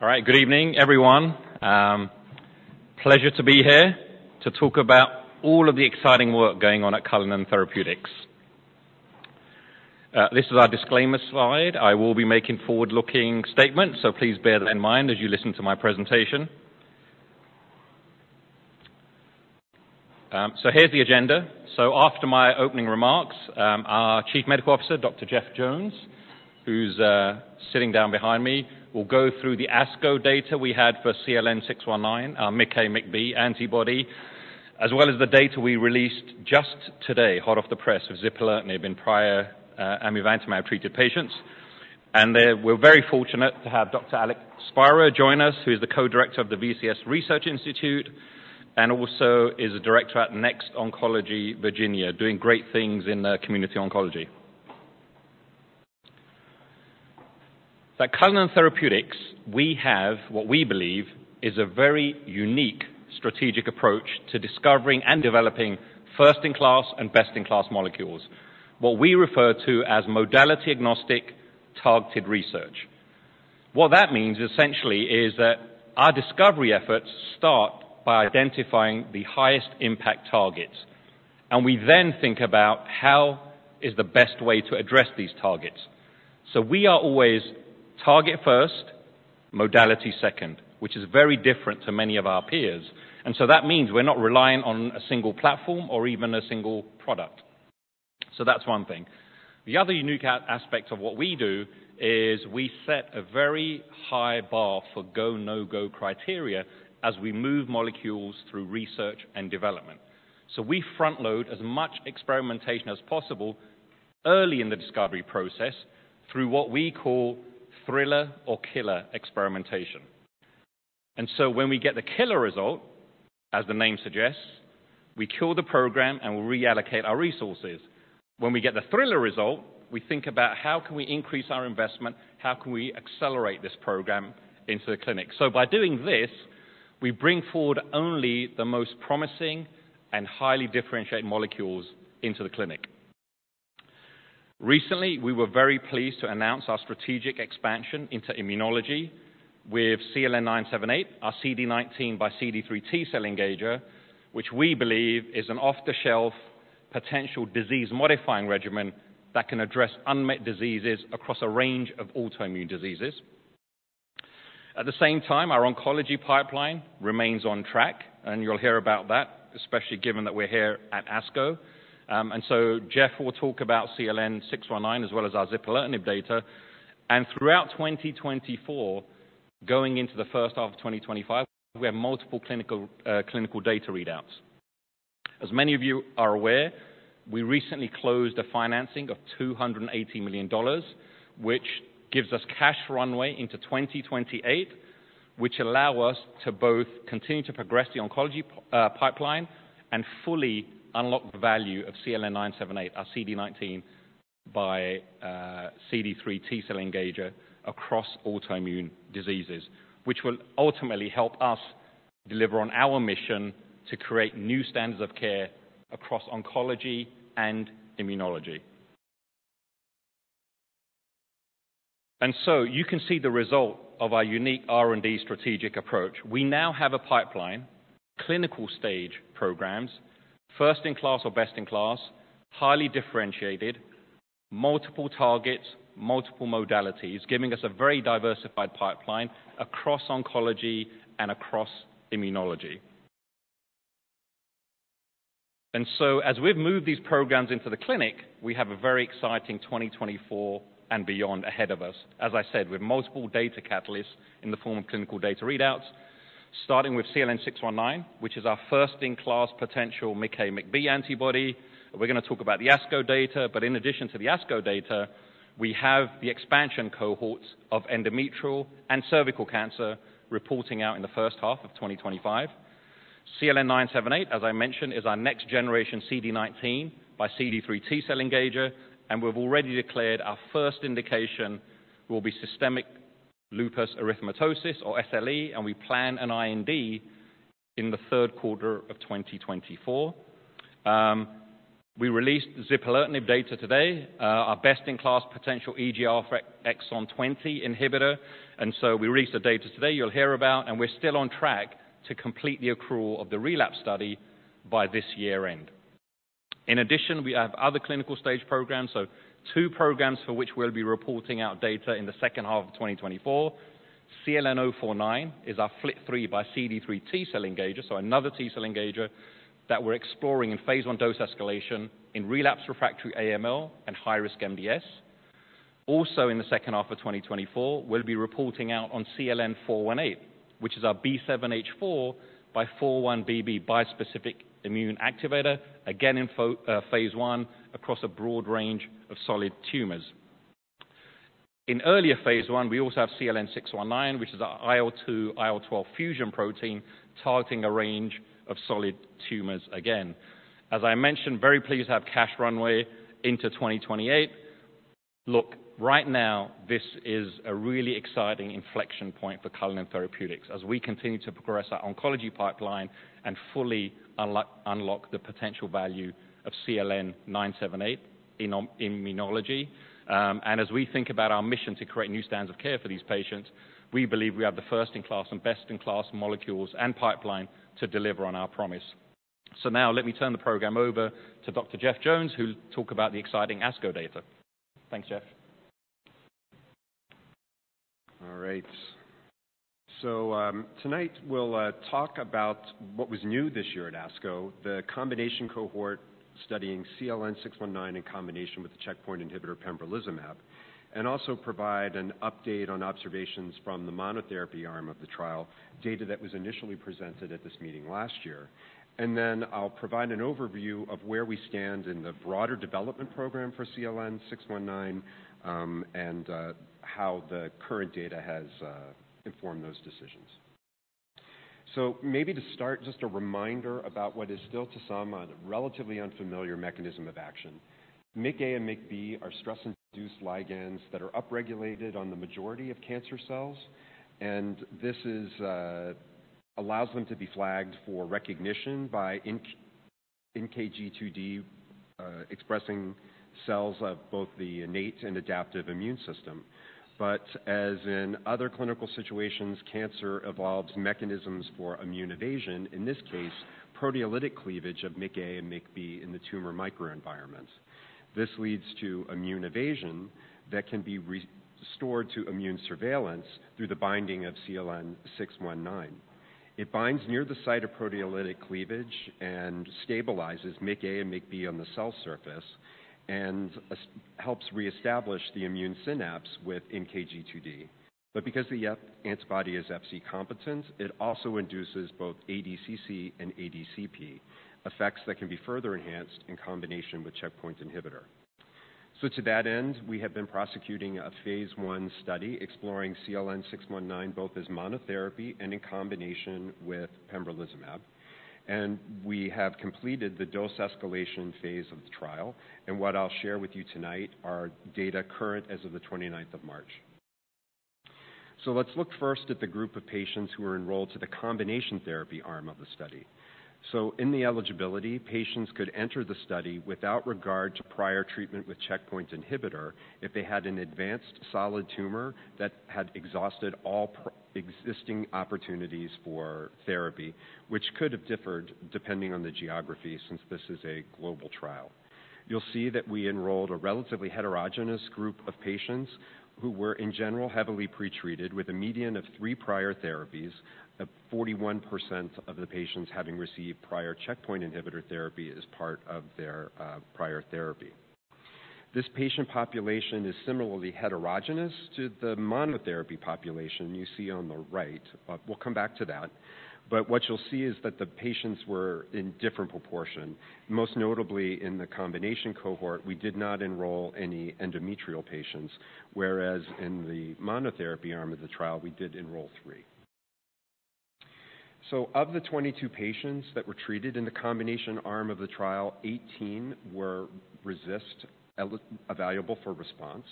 All right, good evening, everyone. Pleasure to be here to talk about all of the exciting work going on at Cullinan Therapeutics. This is our disclaimer slide. I will be making forward-looking statements, so please bear that in mind as you listen to my presentation. So here's the agenda. So after my opening remarks, our Chief Medical Officer, Dr. Jeff Jones, who's sitting down behind me, will go through the ASCO data we had for CLN-619, our MICA/MICB antibody, as well as the data we released just today, hot off the press, of zipalertinib in prior amivantamab-treated patients. And then we're very fortunate to have Dr. Alexander Spira join us, who is the co-director of the VCS Research Institute and also is a director at Next Oncology Virginia, doing great things in community oncology. At Cullinan Therapeutics, we have what we believe is a very unique strategic approach to discovering and developing first-in-class and best-in-class molecules, what we refer to as modality-agnostic targeted research. What that means, essentially, is that our discovery efforts start by identifying the highest impact targets, and we then think about how is the best way to address these targets. So we are always target first, modality second, which is very different to many of our peers. And so that means we're not relying on a single platform or even a single product. So that's one thing. The other unique aspect of what we do is we set a very high bar for go, no-go criteria as we move molecules through research and development. So we front-load as much experimentation as possible early in the discovery process through what we call thriller or killer experimentation. And so when we get the killer result, as the name suggests, we kill the program and we reallocate our resources. When we get the thriller result, we think about: How can we increase our investment? How can we accelerate this program into the clinic? So by doing this, we bring forward only the most promising and highly differentiated molecules into the clinic. Recently, we were very pleased to announce our strategic expansion into immunology with CLN-978, our CD19 x CD3 T-cell engager, which we believe is an off-the-shelf potential disease-modifying regimen that can address unmet diseases across a range of autoimmune diseases. At the same time, our oncology pipeline remains on track, and you'll hear about that, especially given that we're here at ASCO. And so Jeff will talk about CLN-619, as well as our zipalertinib data. Throughout 2024, going into the first half of 2025, we have multiple clinical data readouts. As many of you are aware, we recently closed a financing of $280 million, which gives us cash runway into 2028, which allow us to both continue to progress the oncology pipeline and fully unlock the value of CLN-978, our CD19 x CD3 T-cell engager across autoimmune diseases, which will ultimately help us deliver on our mission to create new standards of care across oncology and immunology. So you can see the result of our unique R&D strategic approach. We now have a pipeline, clinical stage programs, first in class or best in class, highly differentiated, multiple targets, multiple modalities, giving us a very diversified pipeline across oncology and across immunology. As we've moved these programs into the clinic, we have a very exciting 2024 and beyond ahead of us. As I said, with multiple data catalysts in the form of clinical data readouts, starting with CLN-619, which is our first-in-class potential MICA/MICB antibody. We're gonna talk about the ASCO data, but in addition to the ASCO data, we have the expansion cohorts of endometrial and cervical cancer reporting out in the first half of 2025. CLN-978, as I mentioned, is our next generation CD19 x CD3 T-cell engager, and we've already declared our first indication will be systemic lupus erythematosus, or SLE, and we plan an IND in the third quarter of 2024. We released the zipalertinib data today, our best-in-class potential EGFR exon 20 inhibitor. And so we released the data today, you'll hear about, and we're still on track to complete the accrual of the relapse study by this year end. In addition, we have other clinical stage programs, so two programs for which we'll be reporting out data in the second half of 2024. CLN-049 is our FLT3 by CD3 T-cell engager, so another T-cell engager that we're exploring in phase one dose escalation in relapse refractory AML and high-risk MDS. Also, in the second half of 2024, we'll be reporting out on CLN-418, which is our B7H4 by 4-1BB bispecific immune activator, again, in phase one across a broad range of solid tumors. In earlier phase one, we also have CLN-619, which is our IL-2/IL-12 fusion protein, targeting a range of solid tumors again. As I mentioned, very pleased to have cash runway into 2028. Look, right now, this is a really exciting inflection point for Cullinan Therapeutics. As we continue to progress our oncology pipeline and fully unlock the potential value of CLN-978 in oncology and immunology. And as we think about our mission to create new standards of care for these patients, we believe we have the first-in-class and best-in-class molecules and pipeline to deliver on our promise. So now let me turn the program over to Dr. Jeff Jones, who'll talk about the exciting ASCO data. Thanks, Jeff. All right. Tonight we'll talk about what was new this year at ASCO, the combination cohort studying CLN-619 in combination with the checkpoint inhibitor pembrolizumab, and also provide an update on observations from the monotherapy arm of the trial, data that was initially presented at this meeting last year. Then I'll provide an overview of where we stand in the broader development program for CLN-619, and how the current data has informed those decisions. So maybe to start, just a reminder about what is still to some, a relatively unfamiliar mechanism of action. MICA and MICB are stress-induced ligands that are upregulated on the majority of cancer cells, and this allows them to be flagged for recognition by NK, NKG2D expressing cells of both the innate and adaptive immune system. But as in other clinical situations, cancer evolves mechanisms for immune evasion, in this case, proteolytic cleavage of MICA and MICB in the tumor microenvironment. This leads to immune evasion that can be restored to immune surveillance through the binding of CLN-619. It binds near the site of proteolytic cleavage and stabilizes MICA and MICB on the cell surface, and helps reestablish the immune synapse with NKG2D. But because the antibody is Fc competent, it also induces both ADCC and ADCP, effects that can be further enhanced in combination with checkpoint inhibitor. So to that end, we have been prosecuting a phase I study exploring CLN-619, both as monotherapy and in combination with pembrolizumab. And we have completed the dose escalation phase of the trial, and what I'll share with you tonight are data current as of the twenty-ninth of March. So let's look first at the group of patients who were enrolled to the combination therapy arm of the study. In the eligibility, patients could enter the study without regard to prior treatment with checkpoint inhibitor if they had an advanced solid tumor that had exhausted all existing opportunities for therapy, which could have differed depending on the geography, since this is a global trial. You'll see that we enrolled a relatively heterogeneous group of patients who were, in general, heavily pretreated with a median of three prior therapies, at 41% of the patients having received prior checkpoint inhibitor therapy as part of their prior therapy. This patient population is similarly heterogeneous to the monotherapy population you see on the right. We'll come back to that. But what you'll see is that the patients were in different proportion. Most notably in the combination cohort, we did not enroll any endometrial patients, whereas in the monotherapy arm of the trial, we did enroll three. So of the 22 patients that were treated in the combination arm of the trial, 18 were response-evaluable for response,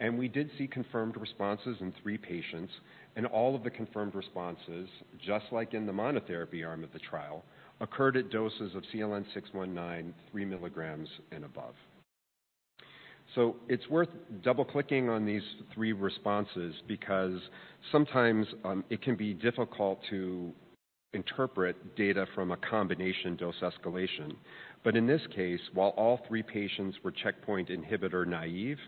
and we did see confirmed responses in three patients. And all of the confirmed responses, just like in the monotherapy arm of the trial, occurred at doses of CLN-619, 3 milligrams and above. So it's worth double-clicking on these three responses because sometimes, it can be difficult to interpret data from a combination dose escalation. But in this case, while all three patients were checkpoint inhibitor naive,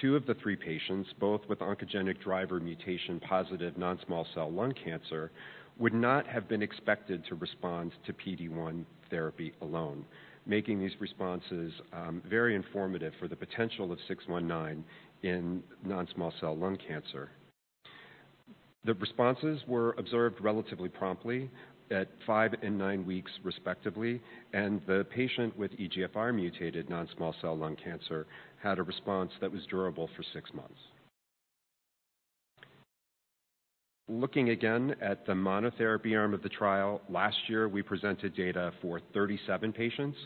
two of the three patients, both with oncogenic driver mutation-poziotinibtive non-small cell lung cancer, would not have been expected to respond to PD-1 therapy alone, making these responses very informative for the potential of 619 in non-small cell lung cancer. The responses were observed relatively promptly at 5 and 9 weeks, respectively, and the patient with EGFR mutated non-small cell lung cancer had a response that was durable for 6 months. Looking again at the monotherapy arm of the trial, last year, we presented data for 37 patients.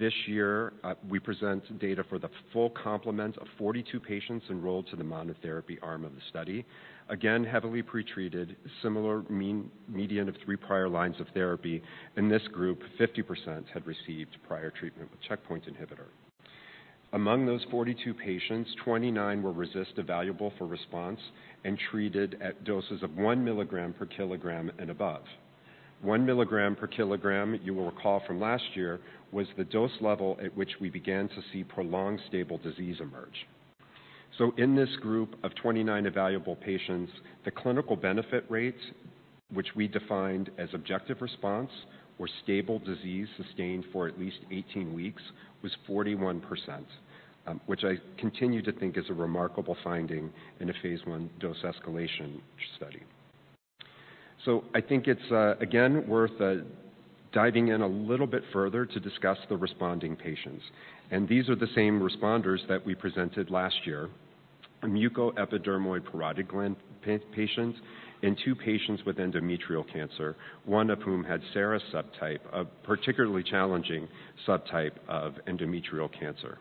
This year, we present data for the full complement of 42 patients enrolled to the monotherapy arm of the study. Again, heavily pretreated, similar median of 3 prior lines of therapy. In this group, 50% had received prior treatment with checkpoint inhibitor. Among those 42 patients, 29 were response evaluable for response and treated at doses of 1 milligram per kilogram and above. One milligram per kilogram, you will recall from last year, was the dose level at which we began to see prolonged stable disease emerge. In this group of 29 evaluable patients, the clinical benefit rates, which we defined as objective response or stable disease sustained for at least 18 weeks, was 41%, which I continue to think is a remarkable finding in a phase I dose escalation study. I think it's again worth diving in a little bit further to discuss the responding patients, and these are the same responders that we presented last year: a mucoepidermoid parotid gland patient and two patients with endometrial cancer, one of whom had serous subtype, a particularly challenging subtype of endometrial cancer.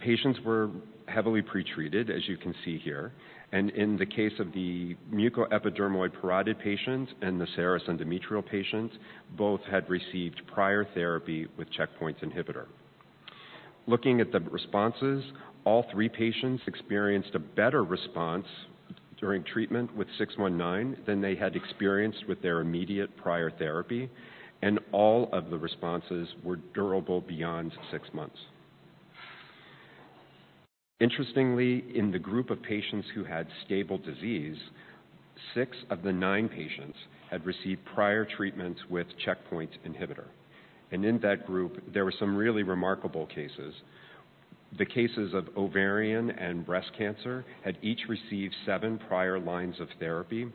Patients were heavily pretreated, as you can see here, and in the case of the mucoepidermoid parotid patients and the serous endometrial patients, both had received prior therapy with checkpoint inhibitors. Looking at the responses, all three patients experienced a better response during treatment with 619 than they had experienced with their immediate prior therapy, and all of the responses were durable beyond six months. Interestingly, in the group of patients who had stable disease, six of the nine patients had received prior treatments with checkpoint inhibitors. And in that group, there were some really remarkable cases. The cases of ovarian and breast cancer had each received seven prior lines of therapy,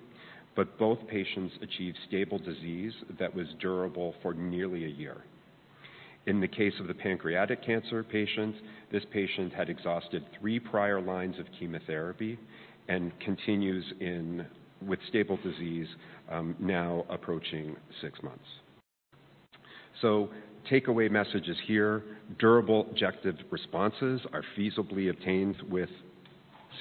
but both patients achieved stable disease that was durable for nearly a year. In the case of the pancreatic cancer patient, this patient had exhausted 3 prior lines of chemotherapy and continues with stable disease, now approaching 6 months. So takeaway messages here, durable objective responses are feasibly obtained with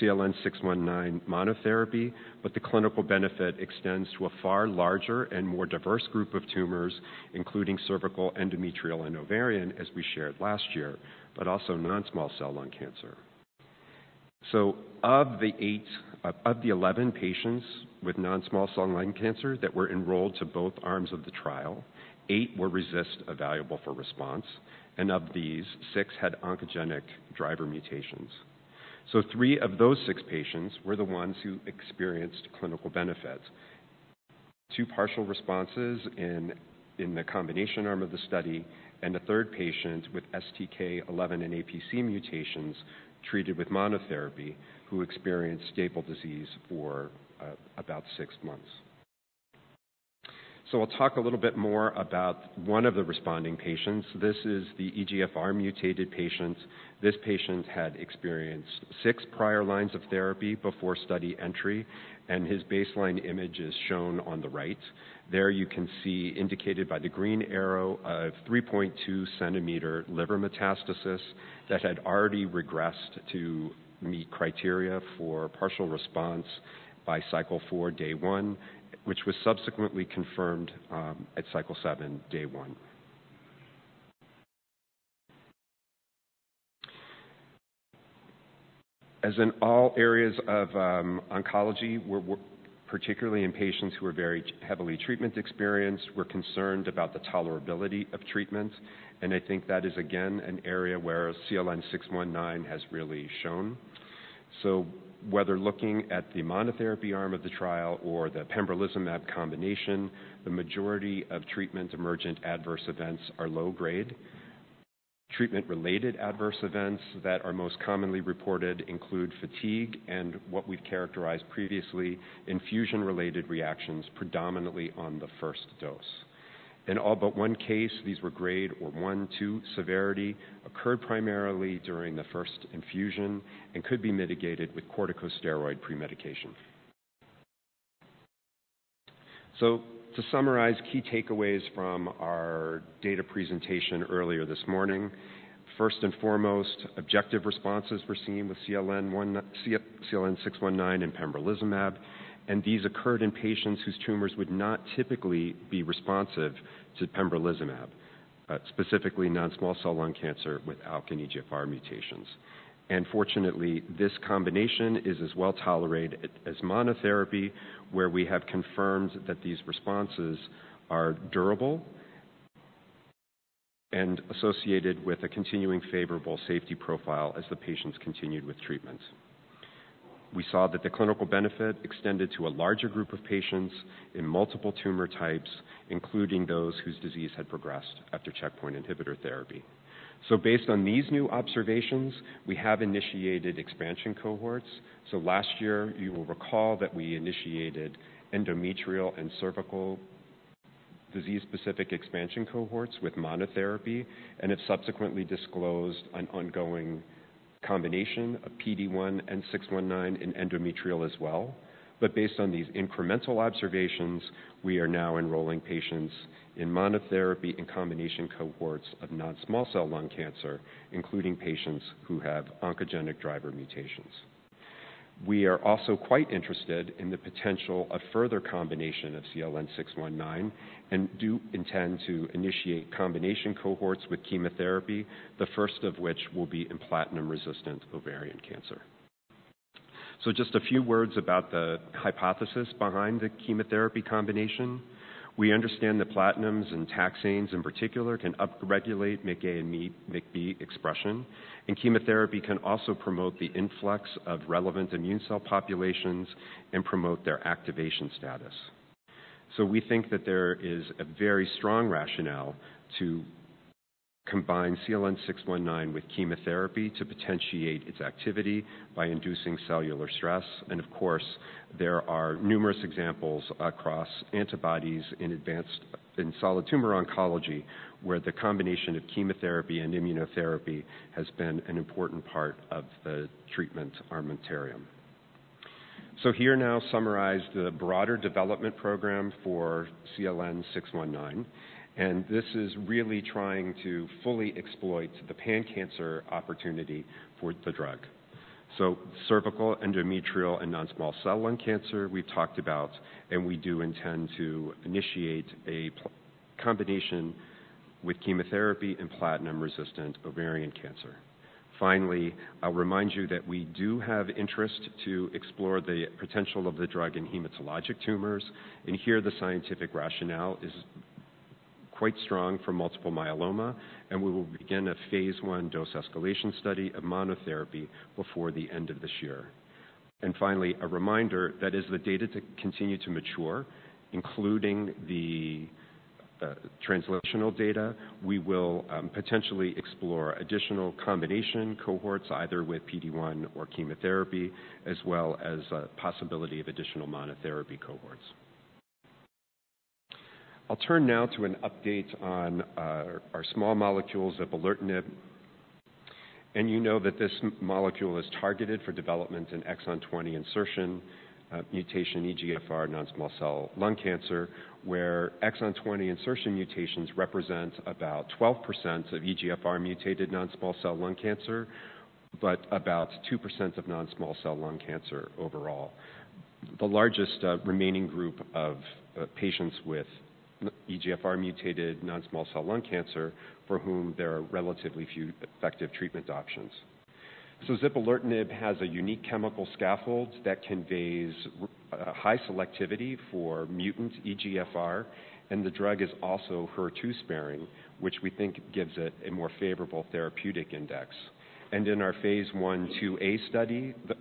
CLN-619 monotherapy, but the clinical benefit extends to a far larger and more diverse group of tumors, including cervical, endometrial, and ovarian, as we shared last year, but also non-small cell lung cancer. So of the 8 of the 11 patients with non-small cell lung cancer that were enrolled to both arms of the trial, 8 were RECIST evaluable for response, and of these, 6 had oncogenic driver mutations. So 3 of those 6 patients were the ones who experienced clinical benefits. Two partial responses in the combination arm of the study and a third patient with STK11 and APC mutations treated with monotherapy, who experienced stable disease for about 6 months. So I'll talk a little bit more about one of the responding patients. This is the EGFR mutated patient. This patient had experienced 6 prior lines of therapy before study entry, and his baseline image is shown on the right. There you can see, indicated by the green arrow, a 3.2-cm liver metastasis that had already regressed to meet criteria for partial response by cycle 4, day 1, which was subsequently confirmed at cycle 7, day 1. As in all areas of oncology, we're particularly in patients who are very heavily treatment experienced, we're concerned about the tolerability of treatment, and I think that is, again, an area where CLN-619 has really shown. So whether looking at the monotherapy arm of the trial or the pembrolizumab combination, the majority of treatment emergent adverse events are low grade. Treatment-related adverse events that are most commonly reported include fatigue and what we've characterized previously, infusion-related reactions, predominantly on the first dose. In all but one case, these were grade 1 or 2 severity, occurred primarily during the first infusion and could be mitigated with corticosteroid pre-medication. So to summarize key takeaways from our data presentation earlier this morning. First and foremost, objective responses were seen with CLN-619... CLN-619 and pembrolizumab, and these occurred in patients whose tumors would not typically be responsive to pembrolizumab, specifically non-small cell lung cancer with ALK and EGFR mutations. Fortunately, this combination is as well tolerated as monotherapy, where we have confirmed that these responses are durable and associated with a continuing favorable safety profile as the patients continued with treatment. We saw that the clinical benefit extended to a larger group of patients in multiple tumor types, including those whose disease had progressed after checkpoint inhibitor therapy. Based on these new observations, we have initiated expansion cohorts. Last year, you will recall that we initiated endometrial and cervical disease-specific expansion cohorts with monotherapy, and have subsequently disclosed an ongoing combination of PD-1 and CLN-619 in endometrial as well. But based on these incremental observations, we are now enrolling patients in monotherapy and combination cohorts of non-small cell lung cancer, including patients who have oncogenic driver mutations. We are also quite interested in the potential of further combination of CLN-619, and do intend to initiate combination cohorts with chemotherapy, the first of which will be in platinum-resistant ovarian cancer. So just a few words about the hypothesis behind the chemotherapy combination. We understand that platinums and taxanes, in particular, can upregulate MICA and MICB expression, and chemotherapy can also promote the influx of relevant immune cell populations and promote their activation status. So we think that there is a very strong rationale to combine CLN-619 with chemotherapy to potentiate its activity by inducing cellular stress. And of course, there are numerous examples across antibodies in advanced in solid tumor oncology, where the combination of chemotherapy and immunotherapy has been an important part of the treatment armamentarium... So here now summarize the broader development program for CLN-619, and this is really trying to fully exploit the pan-cancer opportunity for the drug. So cervical, endometrial, and non-small cell lung cancer, we've talked about, and we do intend to initiate a platinum combination with chemotherapy and platinum-resistant ovarian cancer. Finally, I'll remind you that we do have interest to explore the potential of the drug in hematologic tumors, and here the scientific rationale is quite strong for multiple myeloma, and we will begin a Phase I dose-escalation study of monotherapy before the end of this year. Finally, a reminder that as the data continue to mature, including the translational data, we will potentially explore additional combination cohorts, either with PD-1 or chemotherapy, as well as a possibility of additional monotherapy cohorts. I'll turn now to an update on our small molecules of zipalertinib, and you know that this molecule is targeted for development in exon 20 insertion mutation EGFR non-small cell lung cancer, where exon 20 insertion mutations represent about 12% of EGFR mutated non-small cell lung cancer, but about 2% of non-small cell lung cancer overall. The largest remaining group of patients with EGFR mutated non-small cell lung cancer, for whom there are relatively few effective treatment options. So zipalertinib has a unique chemical scaffold that conveys high selectivity for mutant EGFR, and the drug is also HER2 sparing, which we think gives it a more favorable therapeutic index. In our Phase I/IIa study, the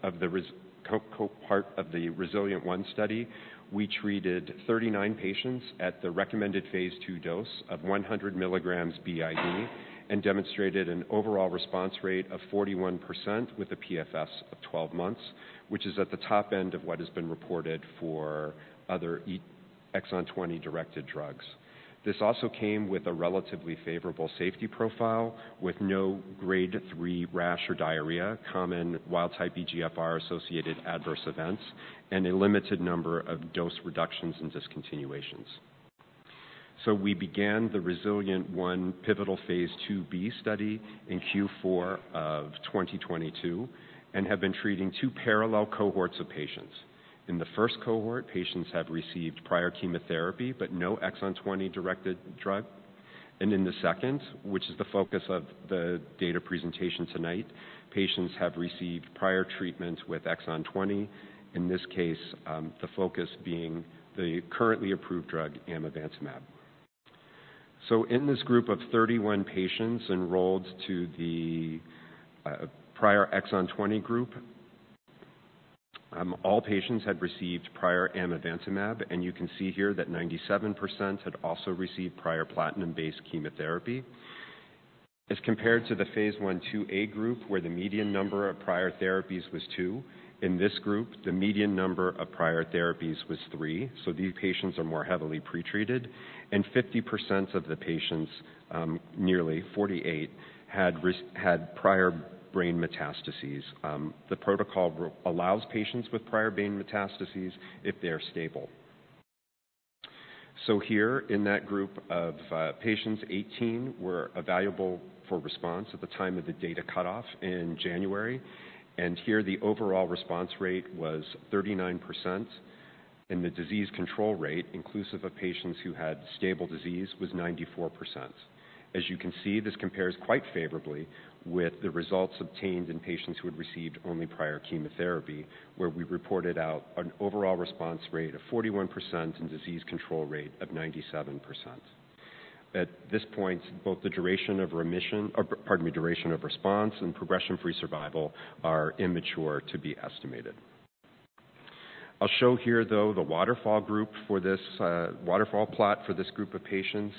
part of the REZILIENT-1 study, we treated 39 patients at the recommended Phase II dose of 100 milligrams BID and demonstrated an overall response rate of 41% with a PFS of 12 months, which is at the top end of what has been reported for other exon twenty-directed drugs. This also came with a relatively favorable safety profile, with no Grade 3 rash or diarrhea, common wild-type EGFR-associated adverse events, and a limited number of dose reductions and discontinuations. We began the REZILIENT-1 pivotal Phase IIb study in Q4 of 2022 and have been treating two parallel cohorts of patients. In the first cohort, patients have received prior chemotherapy, but no exon 20-directed drug. In the second, which is the focus of the data presentation tonight, patients have received prior treatment with exon 20, in this case, the focus being the currently approved drug, amivantamab. In this group of 31 patients enrolled to the prior exon 20 group, all patients had received prior amivantamab, and you can see here that 97% had also received prior platinum-based chemotherapy. As compared to the Phase I/IIa group, where the median number of prior therapies was two. In this group, the median number of prior therapies was three, so these patients are more heavily pretreated, and 50% of the patients, nearly 48, had prior brain metastases. The protocol allows patients with prior brain metastases if they are stable. So here in that group of, patients, 18 were evaluable for response at the time of the data cutoff in January, and here the overall response rate was 39%, and the disease control rate, inclusive of patients who had stable disease, was 94%. As you can see, this compares quite favorably with the results obtained in patients who had received only prior chemotherapy, where we reported out an overall response rate of 41% and disease control rate of 97%. At this point, both the duration of remission, or pardon me, duration of response and progression-free survival are immature to be estimated. I'll show here, though, the waterfall group for this, waterfall plot for this group of patients,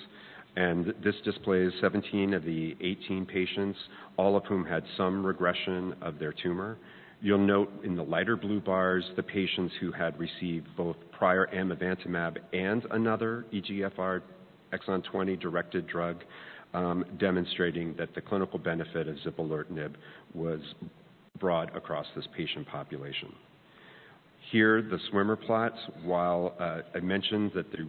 and this displays 17 of the 18 patients, all of whom had some regression of their tumor. You'll note in the lighter blue bars, the patients who had received both prior amivantamab and another EGFR exon 20-directed drug, demonstrating that the clinical benefit of zipalertinib was broad across this patient population. Here, the swimmer plots. While I mentioned that the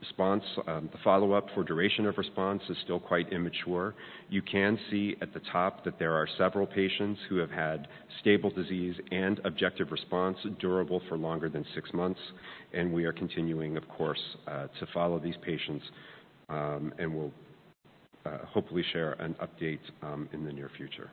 response, the follow-up for duration of response is still quite immature, you can see at the top that there are several patients who have had stable disease and objective response durable for longer than 6 months, and we are continuing, of course, to follow these patients, and we'll hopefully share an update in the near future.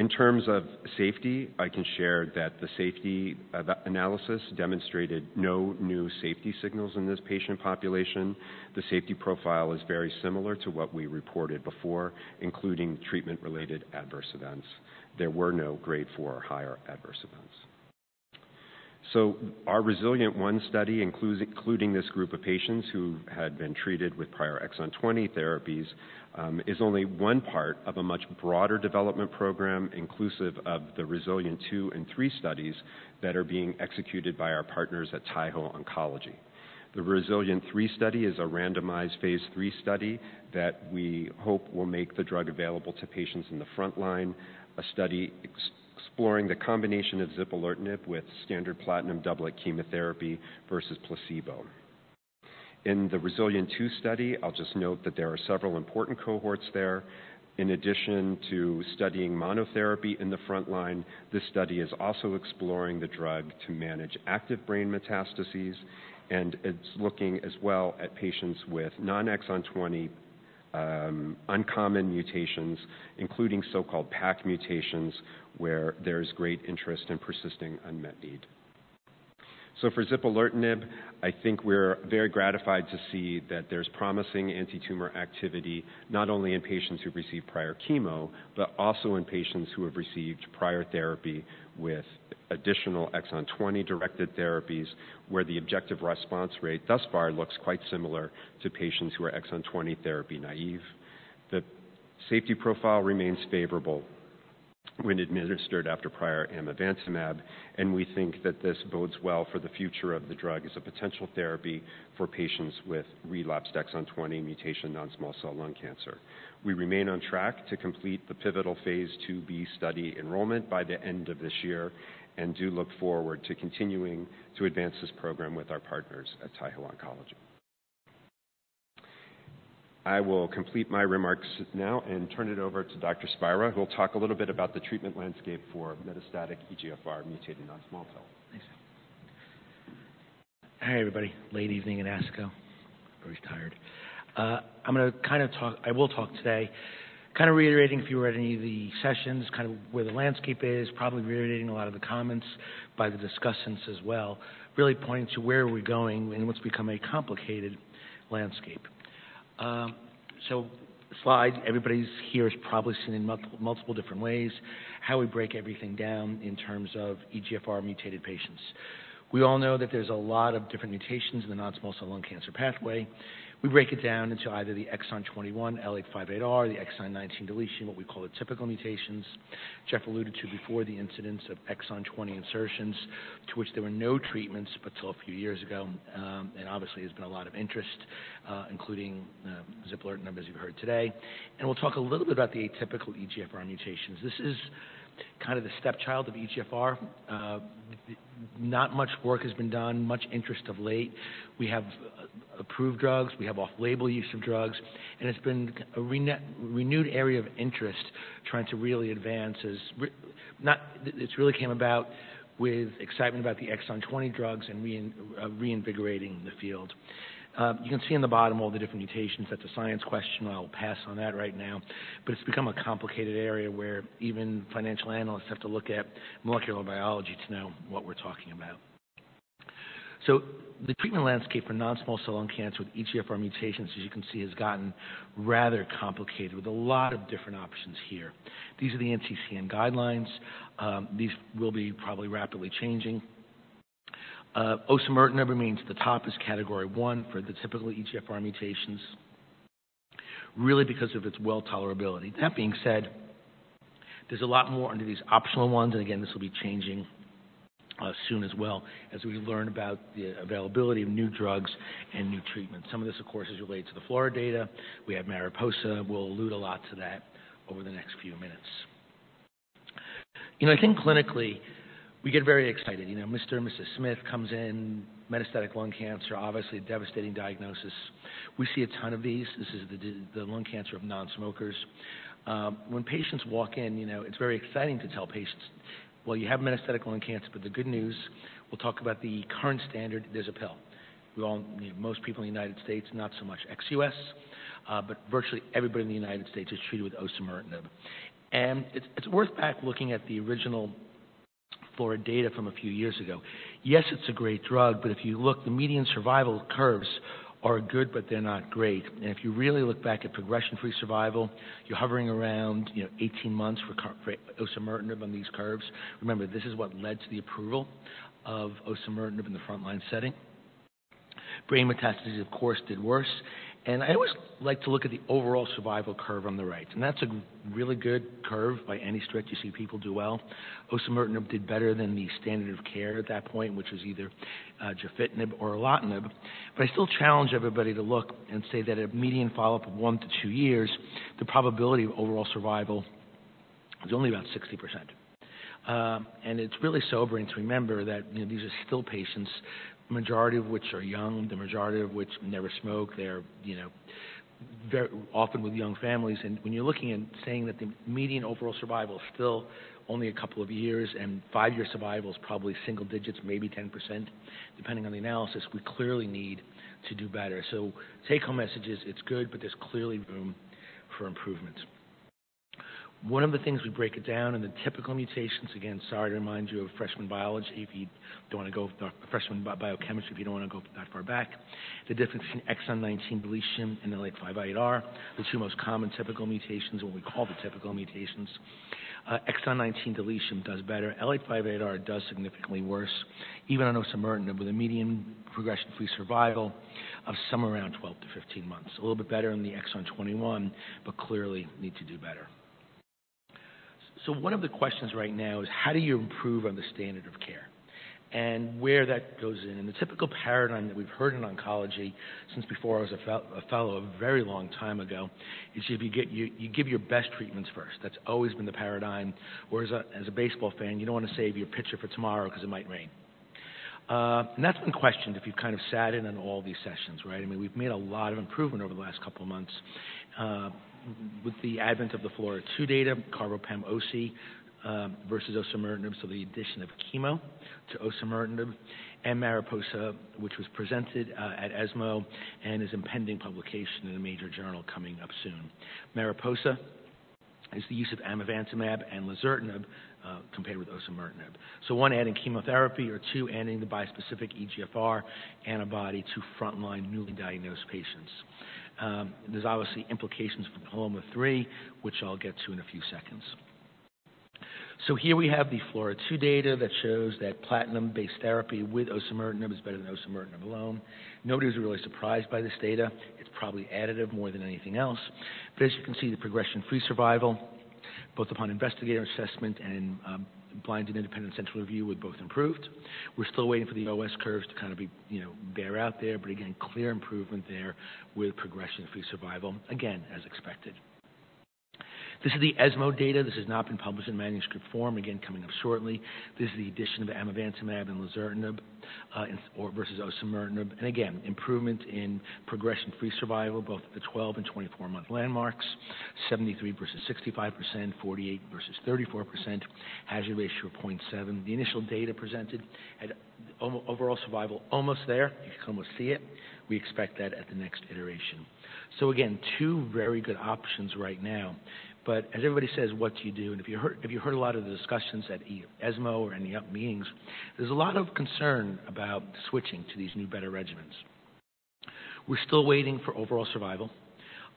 In terms of safety, I can share that the safety, the analysis demonstrated no new safety signals in this patient population. The safety profile is very similar to what we reported before, including treatment-related adverse events. There were no Grade 4 or higher adverse events. So our REZILIENT-1 study, including this group of patients who had been treated with prior exon 20 therapies, is only one part of a much broader development program, inclusive of the REZILIENT-2 and 3 studies, that are being executed by our partners at Taiho Oncology. The REZILIENT-3 study is a randomized Phase III study that we hope will make the drug available to patients in the front line, a study exploring the combination of zipalertinib with standard platinum doublet chemotherapy versus placebo... In the REZILIENT-2 study, I'll just note that there are several important cohorts there. In addition to studying monotherapy in the front line, this study is also exploring the drug to manage active brain metastases, and it's looking as well at patients with non-exon 20 uncommon mutations, including so-called PACC mutations, where there is great interest and persisting unmet need. So for zipalertinib, I think we're very gratified to see that there's promising anti-tumor activity, not only in patients who've received prior chemo, but also in patients who have received prior therapy with additional exon 20-directed therapies, where the objective response rate thus far looks quite similar to patients who are exon 20 therapy naive. The safety profile remains favorable when administered after prior amivantamab, and we think that this bodes well for the future of the drug as a potential therapy for patients with relapsed exon 20 mutation non-small cell lung cancer. We remain on track to complete the pivotal Phase IIb study enrollment by the end of this year and do look forward to continuing to advance this program with our partners at Taiho Oncology. I will complete my remarks now and turn it over to Dr. Spira, who will talk a little bit about the treatment landscape for metastatic EGFR mutated non-small cell. Thanks. Hey, everybody. Late evening in ASCO. Very tired. I'm gonna talk... I will talk today, kind of reiterating if you were at any of the sessions, kind of where the landscape is, probably reiterating a lot of the comments by the discussants as well, really pointing to where are we going in what's become a complicated landscape. So slide, everybody's here has probably seen in multiple different ways how we break everything down in terms of EGFR mutated patients. We all know that there's a lot of different mutations in the non-small cell lung cancer pathway. We break it down into either the exon 21, L858R, the exon 19 deletion, what we call the typical mutations. Jeff alluded to before the incidence of exon 20 insertions, to which there were no treatments but till a few years ago. And obviously, there's been a lot of interest, including zipalertinib, as you've heard today. We'll talk a little bit about the atypical EGFR mutations. This is kind of the stepchild of EGFR. Not much work has been done, much interest of late. We have approved drugs, we have off-label use of drugs, and it's been a renewed area of interest. It's really came about with excitement about the exon 20 drugs and reinvigorating the field. You can see on the bottom all the different mutations. That's a science question. I'll pass on that right now, but it's become a complicated area where even financial analysts have to look at molecular biology to know what we're talking about. The treatment landscape for non-small cell lung cancer with EGFR mutations, as you can see, has gotten rather complicated, with a lot of different options here. These are the NCCN guidelines. These will be probably rapidly changing. Osimertinib remains the top as category one for the typical EGFR mutations, really because of its well tolerability. That being said, there's a lot more under these optional ones, and again, this will be changing, soon as well as we learn about the availability of new drugs and new treatments. Some of this, of course, is related to the Flora data. We have MARIPOSA. We'll allude a lot to that over the next few minutes. You know, I think clinically, we get very excited. You know, Mr. and Mrs. Smith comes in, metastatic lung cancer, obviously a devastating diagnosis. We see a ton of these. This is the lung cancer of non-smokers. When patients walk in, you know, it's very exciting to tell patients, "Well, you have metastatic lung cancer, but the good news," we'll talk about the current standard, there's a pill. We all, you know, most people in the United States, not so much ex-U.S., but virtually everybody in the United States is treated with osimertinib. And it's worth looking back at the original FLAURA data from a few years ago. Yes, it's a great drug, but if you look, the median survival curves are good, but they're not great. And if you really look back at progression-free survival, you're hovering around, you know, 18 months for osimertinib on these curves. Remember, this is what led to the approval of osimertinib in the frontline setting. Brain metastases, of course, did worse. I always like to look at the overall survival curve on the right, and that's a really good curve by any stretch. You see people do well. osimertinib did better than the standard of care at that point, which was either gefitinib or erlotinib. But I still challenge everybody to look and say that a median follow-up of 1-2 years, the probability of overall survival is only about 60%. It's really sobering to remember that, you know, these are still patients, majority of which are young, the majority of which never smoke. They're, you know, very often with young families. When you're looking and saying that the median overall survival is still only a couple of years, and five-year survival is probably single-digits, maybe 10%, depending on the analysis, we clearly need to do better. So take-home message is, it's good, but there's clearly room for improvements. One of the things we break it down in the typical mutations, again, sorry to remind you of freshman biology, if you don't want to go... Freshman biochemistry, if you don't want to go that far back. The difference between exon 19 deletion and L858R, the two most common typical mutations, or we call the typical mutations. Exon 19 deletion does better. L858R does significantly worse, even on osimertinib, with a median progression-free survival of somewhere around 12-15 months. A little bit better in the exon 21, but clearly need to do better. So one of the questions right now is: how do you improve on the standard of care? And where that goes in, in the typical paradigm that we've heard in oncology since before I was a fellow a very long time ago, is if you get... You give your best treatments first. That's always been the paradigm. Whereas, as a baseball fan, you don't want to save your pitcher for tomorrow because it might rain.... And that's been questioned if you've kind of sat in on all these sessions, right? I mean, we've made a lot of improvement over the last couple of months, with the advent of the FLAURA-2 data, carboplatin plus osimertinib, versus osimertinib. So the addition of chemo to osimertinib and MARIPOSA, which was presented at ESMO and is impending publication in a major journal coming up soon. MARIPOSA is the use of amivantamab and lazertinib, compared with osimertinib. So 1, adding chemotherapy or 2, adding the bispecific EGFR antibody to frontline newly diagnosed patients. There's obviously implications for PALOMA-3, which I'll get to in a few seconds. So here we have the FLAURA2 data that shows that platinum-based therapy with osimertinib is better than osimertinib alone. Nobody was really surprised by this data. It's probably additive more than anything else. But as you can see, the progression-free survival, both upon investigator assessment and, blind, and independent central review, were both improved. We're still waiting for the OS curves to kind of be, you know, bear out there, but again, clear improvement there with progression-free survival. Again, as expected. This is the ESMO data. This has not been published in manuscript form. Again, coming up shortly. This is the addition of amivantamab and lazertinib, in or versus osimertinib. And again, improvement in progression-free survival, both at the 12- and 24-month landmarks, 73% versus 65%, 48% versus 34%, hazard ratio 0.7. The initial data presented at overall survival, almost there. You can almost see it. We expect that at the next iteration. So again, two very good options right now, but as everybody says, what do you do? And if you heard, if you heard a lot of the discussions at ESMO or any ASCO meetings, there's a lot of concern about switching to these new, better regimens. We're still waiting for overall survival.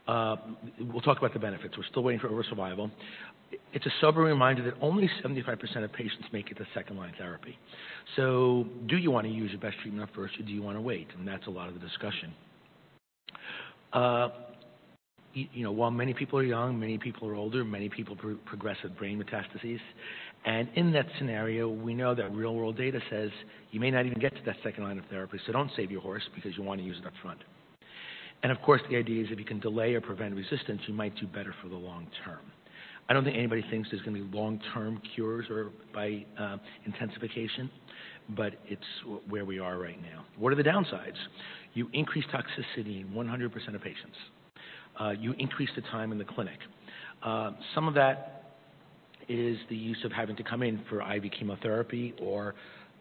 We'll talk about the benefits. We're still waiting for overall survival. It's a sobering reminder that only 75% of patients make it to second-line therapy. So do you want to use your best treatment up first, or do you want to wait? And that's a lot of the discussion. You know, while many people are young, many people are older, many people progress with brain metastases. And in that scenario, we know that real-world data says you may not even get to that second line of therapy, so don't save your horse because you want to use it upfront. And of course, the idea is if you can delay or prevent resistance, you might do better for the long term. I don't think anybody thinks there's going to be long-term cures or by intensification, but it's where we are right now. What are the downsides? You increase toxicity in 100% of patients. You increase the time in the clinic. Some of that is the use of having to come in for IV chemotherapy or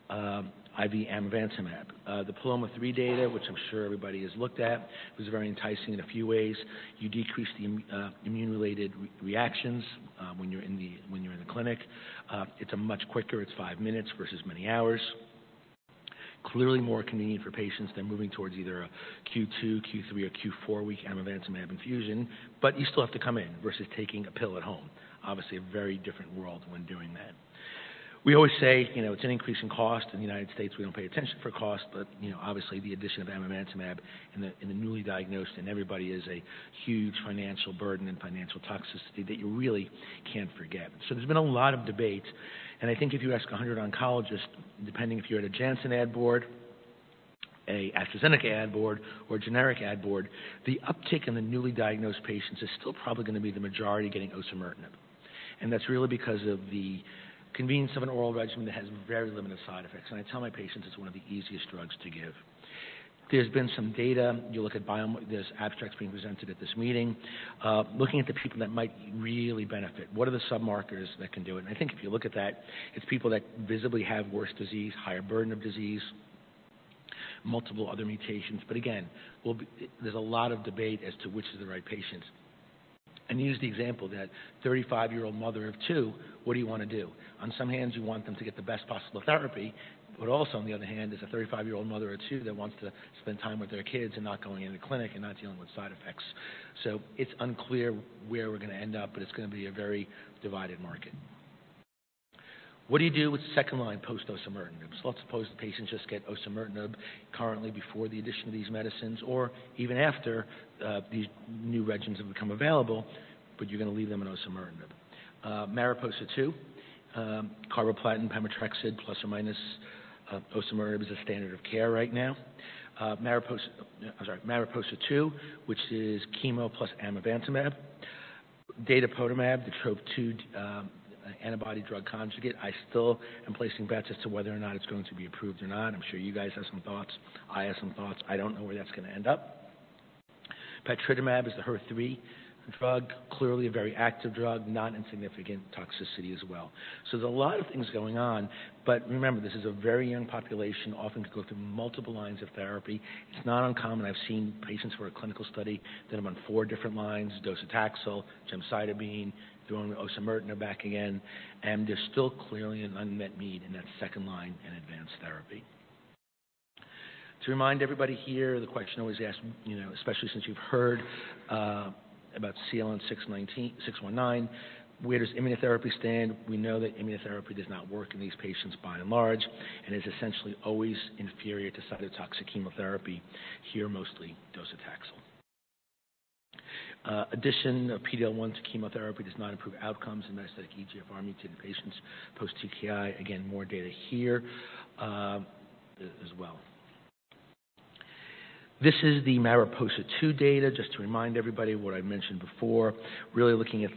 IV amivantamab. The PALOMA-3 data, which I'm sure everybody has looked at, was very enticing in a few ways. You decrease the immune-related reactions when you're in the clinic. It's a much quicker, it's five minutes versus many hours. Clearly, more convenient for patients than moving towards either a Q2, Q3, or Q4-week amivantamab infusion, but you still have to come in versus taking a pill at home. Obviously, a very different world when doing that. We always say, you know, it's an increase in cost. In the United States, we don't pay attention for cost, but, you know, obviously, the addition of amivantamab in the newly diagnosed, and everybody is a huge financial burden and financial toxicity that you really can't forget. So there's been a lot of debate, and I think if you ask 100 oncologists, depending if you're at a Janssen ad board, an AstraZeneca ad board, or a generic ad board, the uptick in the newly diagnosed patients is still probably gonna be the majority getting osimertinib. That's really because of the convenience of an oral regimen that has very limited side effects. I tell my patients it's one of the easiest drugs to give. There's been some data. You look at biomarkers. There's abstracts being presented at this meeting, looking at the people that might really benefit, what are the biomarkers that can do it? And I think if you look at that, it's people that visibly have worse disease, higher burden of disease, multiple other mutations. But again, there's a lot of debate as to which is the right patient. Use the example of that 35-year-old mother of two, what do you want to do? On one hand, you want them to get the best possible therapy, but also, on the other hand, there's a 35-year-old mother of two that wants to spend time with their kids and not going into the clinic and not dealing with side effects. So it's unclear where we're gonna end up, but it's gonna be a very divided market. What do you do with second-line post osimertinib? So let's suppose the patients just get osimertinib currently before the addition of these medicines, or even after, these new regimens have become available, but you're gonna leave them on osimertinib. MARIPOSA two, carboplatin, pemetrexed, + or -, osimertinib, is the standard of care right now. MARIPOSA two, which is chemo + amivantamab. Datopotamab, the TROP2, antibody drug conjugate. I still am placing bets as to whether or not it's going to be approved or not. I'm sure you guys have some thoughts. I have some thoughts. I don't know where that's gonna end up. Patritumab is the HER3 drug, clearly a very active drug, not insignificant toxicity as well. So there's a lot of things going on, but remember, this is a very young population, often to go through multiple lines of therapy. It's not uncommon. I've seen patients for a clinical study that are on four different lines, docetaxel, gemcitabine, throwing osimertinib back again, and there's still clearly an unmet need in that second line in advanced therapy. To remind everybody here, the question always asked, you know, especially since you've heard, about CLN-619, where does immunotherapy stand? We know that immunotherapy does not work in these patients by and large, and is essentially always inferior to cytotoxic chemotherapy. Here, mostly docetaxel. Addition of PD-L1 to chemotherapy does not improve outcomes in metastatic EGFR mutant patients post-TKI. Again, more data here, as well. This is the MARIPOSA Two data, just to remind everybody what I mentioned before, really looking at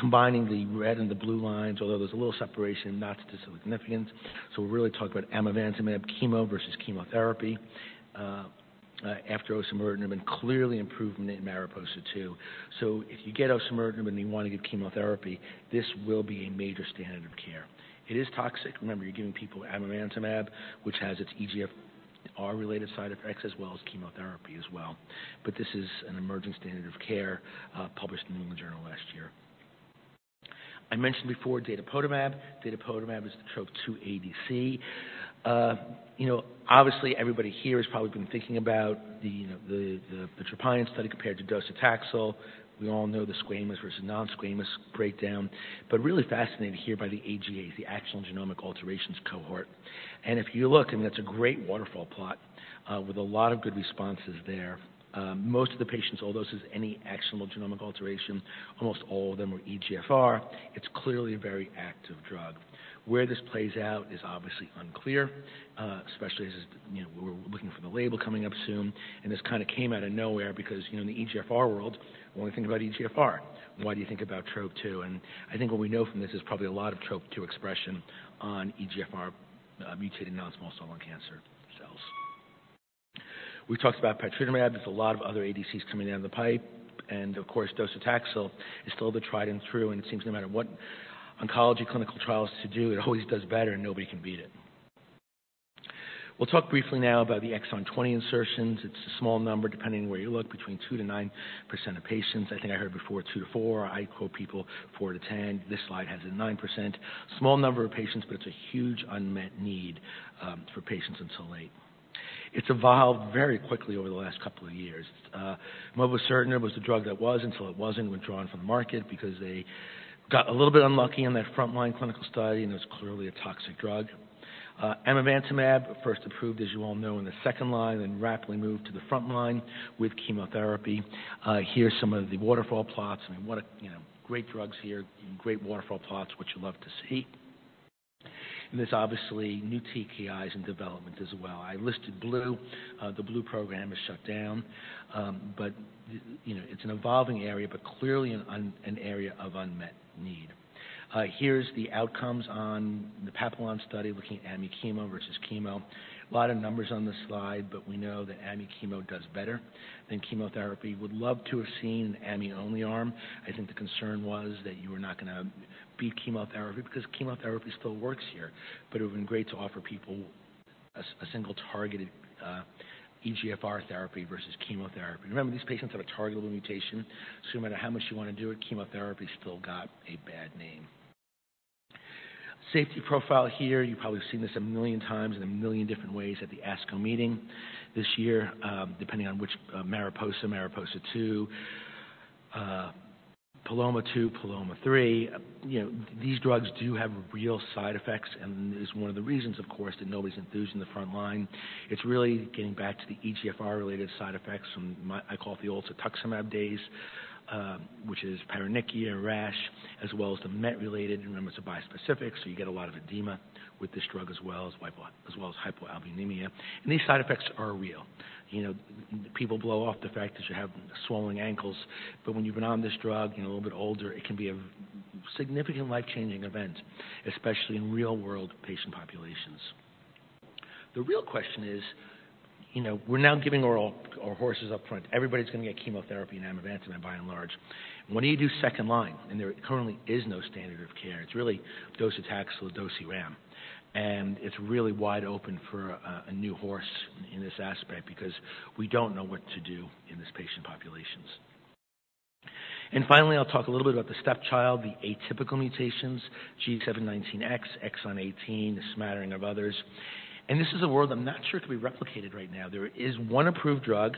combining the red and the blue lines, although there's a little separation, not to significance. So we're really talking about amivantamab chemo versus chemotherapy, after osimertinib, and clearly improvement in MARIPOSA Two. So if you get osimertinib and you want to give chemotherapy, this will be a major standard of care. It is toxic. Remember, you're giving people amivantamab, which has its EGFR-related side effects, as well as chemotherapy as well. But this is an emerging standard of care, published in The New England Journal last year. I mentioned before, datopotamab. Datopotamab is the TROP-2 ADC. You know, obviously, everybody here has probably been thinking about the Tropion study compared to docetaxel. We all know the squamous versus non-squamous breakdown, but really fascinated here by the AGAs, the actionable genomic alterations cohort. And if you look, I mean, that's a great waterfall plot with a lot of good responses there. Most of the patients, although this is any actionable genomic alteration, almost all of them were EGFR. It's clearly a very active drug. Where this plays out is obviously unclear, especially as, you know, we're looking for the label coming up soon. And this kind of came out of nowhere because, you know, in the EGFR world, when we think about EGFR, why do you think about TROP2? And I think what we know from this is probably a lot of TROP2 expression on EGFR mutating non-small cell lung cancer cells. We've talked about pertuzumab. There's a lot of other ADCs coming down the pipe. And of course, docetaxel is still the tried and true, and it seems no matter what oncology clinical trials to do, it always does better and nobody can beat it. We'll talk briefly now about the exon twenty insertions. It's a small number, depending on where you look, between 2%-9% of patients. I think I heard before, 2-4. I quote people, 4-10. This slide has a 9%. Small number of patients, but it's a huge unmet need for patients in this subset. It's evolved very quickly over the last couple of years. Mobocertinib was the drug that was until it wasn't withdrawn from the market because they got a little bit unlucky in that frontline clinical study, and it was clearly a toxic drug. Amivantamab, first approved, as you all know, in the second line, and then rapidly moved to the frontline with chemotherapy. Here are some of the waterfall plots. I mean, what a, you know, great drugs here, great waterfall plots, which you love to see. And there's obviously new TKIs in development as well. I listed Blue. The Blue program is shut down. But, you know, it's an evolving area, but clearly an area of unmet need. Here's the outcomes on the PAPILLON study, looking at amivantamab-chemo versus chemo. A lot of numbers on this slide, but we know that amivantamab-chemo does better than chemotherapy. Would love to have seen an amivantamab-only arm. I think the concern was that you were not gonna beat chemotherapy because chemotherapy still works here. But it would have been great to offer people a single targeted, EGFR therapy versus chemotherapy. Remember, these patients have a targetable mutation, so no matter how much you want to do it, chemotherapy still got a bad name. Safety profile here. You've probably seen this a million times in a million different ways at the ASCO meeting this year. Depending on which, MARIPOSA, MARIPOSA Two, PALOMA Two, PALOMA Three, you know, these drugs do have real side effects and is one of the reasons, of course, that nobody's enthused in the front line. It's really getting back to the EGFR related side effects from my... I call it the cetuximab days, which is paronychia rash, as well as the MET-related. Remember, it's a bispecific, so you get a lot of edema with this drug, as well as hypoalbuminemia. And these side effects are real. You know, people blow off the fact that you have swelling ankles, but when you've been on this drug, you're a little bit older, it can be a significant life-changing event, especially in real-world patient populations. The real question is, you know, we're now giving our all, our horses up front. Everybody's gonna get chemotherapy and amivantamab, by and large. When do you do second line? There currently is no standard of care. It's really docetaxel or docetaxel/ram, and it's really wide open for a new horse in this aspect because we don't know what to do in these patient populations. Finally, I'll talk a little bit about the stepchild, the atypical mutations, G719X, exon 18, a smattering of others. This is a world I'm not sure it can be replicated right now. There is one approved drug,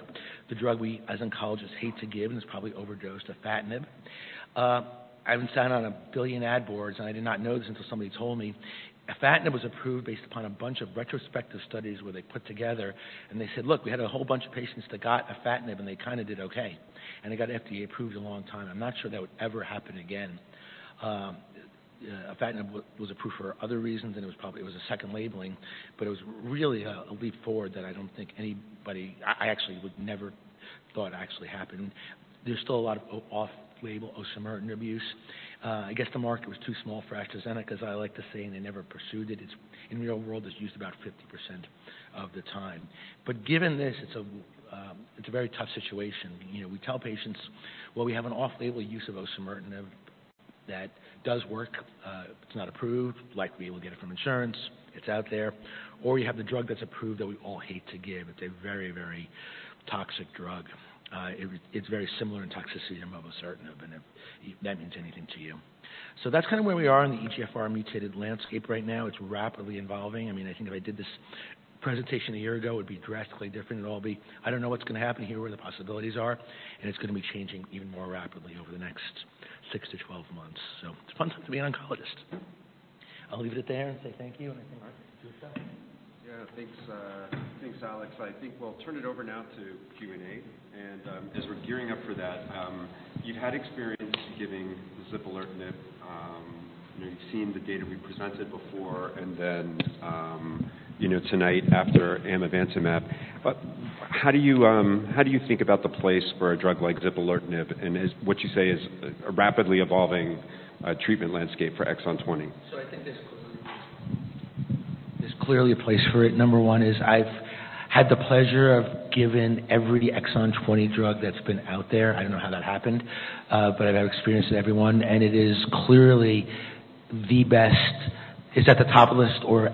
the drug we as oncologists hate to give, and it's probably overdosed, afatinib. I've been sat on a billion ad boards, and I did not know this until somebody told me. Afatinib was approved based upon a bunch of retrospective studies where they put together, and they said, "Look, we had a whole bunch of patients that got afatinib, and they kinda did okay." It got FDA approved a long time. I'm not sure that would ever happen again. Afatinib was approved for other reasons, and it was probably, it was a second labeling, but it was really a, a leap forward that I don't think anybody... I actually would never thought actually happened. There's still a lot of off-label osimertinib abuse. I guess the market was too small for AstraZeneca. As I like to say, and they never pursued it. It's-- in the real world, it's used about 50% of the time. But given this, it's a very tough situation. You know, we tell patients, "Well, we have an off-label use of osimertinib that does work. It's not approved. Likely, we'll get it from insurance. It's out there." Or you have the drug that's approved that we all hate to give. It's a very, very toxic drug. It's very similar in toxicity to mobocertinib, and if that means anything to you. So that's kind of where we are in the EGFR mutated landscape right now. It's rapidly evolving. I mean, I think if I did this presentation a year ago, it would be drastically different. It'll all be, "I don't know what's going to happen here, where the possibilities are," and it's gonna be changing even more rapidly over the next 6-12 months. So it's a fun time to be an oncologist. I'll leave it there and say thank you. Yeah, thanks, thanks, Alex. I think we'll turn it over now to Q&A, and, as we're gearing up for that, you've had experience giving zipalertinib. You've seen the data we presented before, and then, you know, tonight after amivantamab. But- ...How do you, how do you think about the place for a drug like zipalertinib, and is what you say is a rapidly evolving, treatment landscape for exon 20? So I think there's clearly, there's clearly a place for it. Number one is I've had the pleasure of giving every exon 20 drug that's been out there. I don't know how that happened, but I've had experience with everyone, and it is clearly the best. It's at the top of the list, or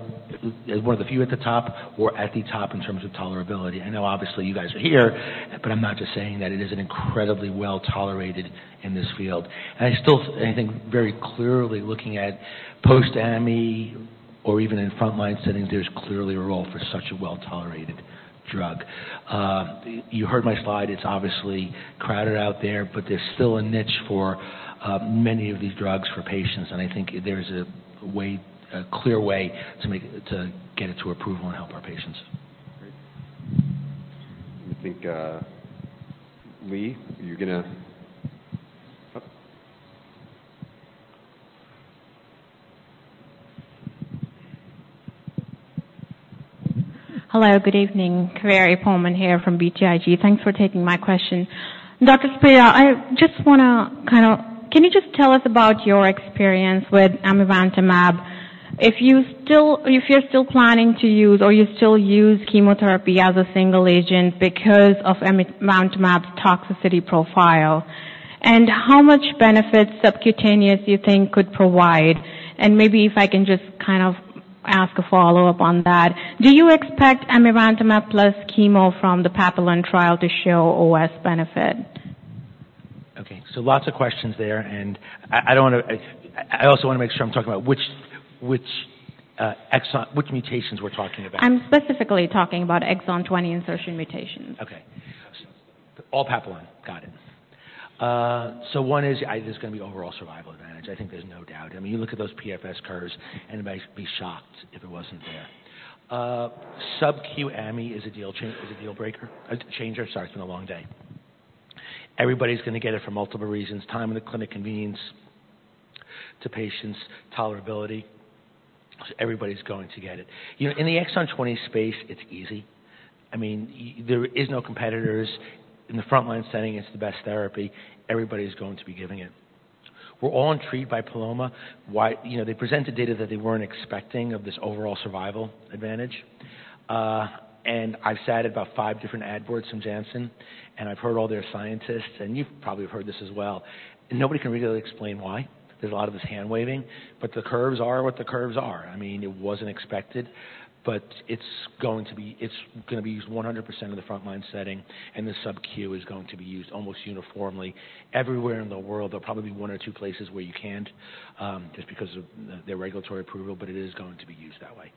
one of the few at the top or at the top in terms of tolerability. I know obviously you guys are here, but I'm not just saying that it is an incredibly well-tolerated in this field. And I still, I think, very clearly looking at post-ami or even in frontline settings, there's clearly a role for such a well-tolerated drug. You heard my slide, it's obviously crowded out there, but there's still a niche for many of these drugs for patients. I think there's a clear way to make it, to get it to approval and help our patients. Great. I think, Lee, you're gonna... Hello, good evening. Kaveri Pohlman here from BTIG. Thanks for taking my question. Dr. Spira, I just wanna kind of... Can you just tell us about your experience with amivantamab? If you still—if you're still planning to use or you still use chemotherapy as a single agent because of amivantamab's toxicity profile, and how much benefit subcutaneous you think could provide? And maybe if I can just kind of ask a follow-up on that, do you expect amivantamab + chemo from the PAPILLON trial to show OS benefit? Okay, so lots of questions there, and I don't want to... I also want to make sure I'm talking about which exon, which mutations we're talking about. I'm specifically talking about exon 20 insertion mutations. Okay. All PAPILLON. Got it. So one is, there's going to be overall survival advantage. I think there's no doubt. I mean, you look at those PFS curves, and anybody would be shocked if it wasn't there. Subcu ami is a deal changer. Sorry, it's been a long day. Everybody's going to get it for multiple reasons: time in the clinic, convenience to patients, tolerability. So everybody's going to get it. You know, in the exon 20 space, it's easy. I mean, there is no competitors. In the frontline setting, it's the best therapy. Everybody's going to be giving it. We're all intrigued by PALOMA. Why? You know, they presented data that they weren't expecting of this overall survival advantage. and I've sat at about five different ad boards from Janssen, and I've heard all their scientists, and you've probably heard this as well, and nobody can really explain why. There's a lot of this hand-waving, but the curves are what the curves are. I mean, it wasn't expected, but it's going to be used 100% in the frontline setting, and the subcu is going to be used almost uniformly everywhere in the world. There'll probably be one or two places where you can't, just because of the regulatory approval, but it is going to be used that way.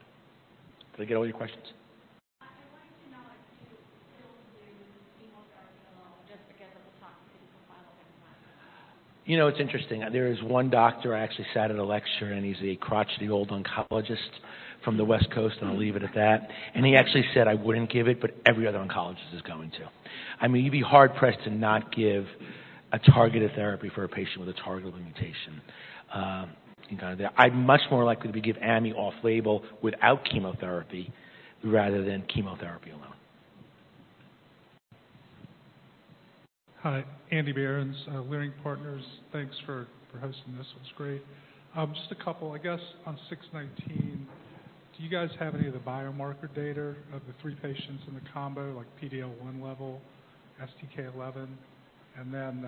Did I get all your questions? I wanted to know, like, do you still do chemotherapy alone just because of the toxicity profile? You know, it's interesting. There is one doctor, I actually sat at a lecture, and he's a crotchety, old oncologist from the West Coast, and I'll leave it at that. And he actually said, "I wouldn't give it, but every other oncologist is going to." I mean, you'd be hard-pressed to not give a targeted therapy for a patient with a targetable mutation. I'm much more likely to give amivantamab off-label without chemotherapy rather than chemotherapy alone. Hi, Andrew Berens, Leerink Partners. Thanks for hosting this. It's great. Just a couple, I guess, on CLN-619. Do you guys have any of the biomarker data of the three patients in the combo, like PD-L1 level, STK11? And then,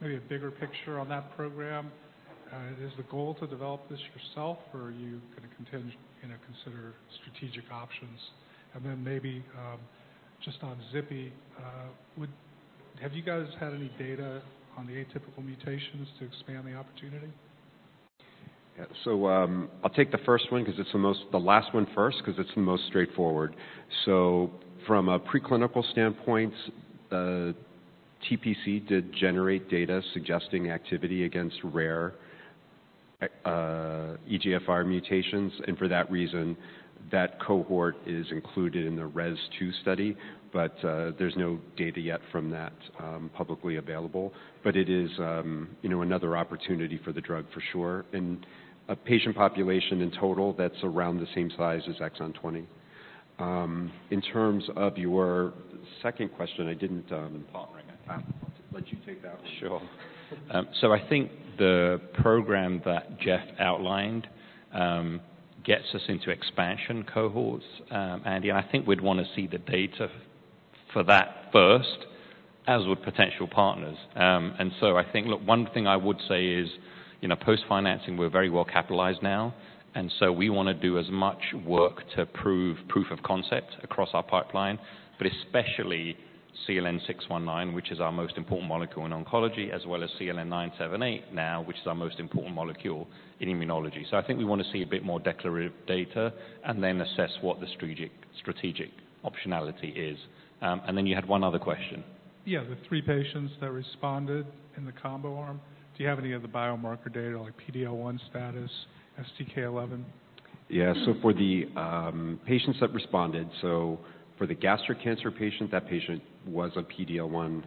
maybe a bigger picture on that program. Is the goal to develop this yourself, or are you gonna contingent, you know, consider strategic options? And then maybe, just on zipalertinib, would you guys have had any data on the atypical mutations to expand the opportunity? Yeah. So, I'll take the first one because it's the most—the last one first, 'cause it's the most straightforward. So from a preclinical standpoint, TPC did generate data suggesting activity against rare, EGFR mutations, and for that reason, that cohort is included in the REZILIENT-2 study, but, there's no data yet from that, publicly available. But it is, you know, another opportunity for the drug for sure, and a patient population in total that's around the same size as exon 20. In terms of your second question, I didn't, Paul, let you take that one. Sure. So I think the program that Jeff outlined, gets us into expansion cohorts, Andy, and I think we'd want to see the data for that first, as with potential partners. And so I think... Look, one thing I would say is, you know, post-financing, we're very well capitalized now, and so we want to do as much work to prove proof of concept across our pipeline, but especially CLN-619, which is our most important molecule in oncology, as well as CLN-978 now, which is our most important molecule in immunology. So I think we want to see a bit more declarative data and then assess what the strategic, strategic optionality is. And then you had one other question. Yeah, the three patients that responded in the combo arm, do you have any of the biomarker data, like PD-L1 status, STK11? Yeah. So for the patients that responded, so for the gastric cancer patient, that patient was a PD-L1